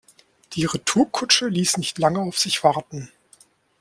Die Retourkutsche ließ nicht lange auf sich warten.